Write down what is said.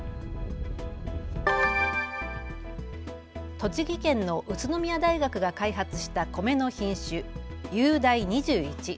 栃木県の宇都宮大学が開発した米の品種、ゆうだい２１。